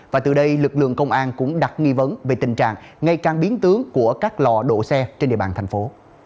và từ đây lực lượng công an cũng đặt nghi vấn về tình trạng ngay càng biến tướng của các lò đổ xe trên địa bàn thành phố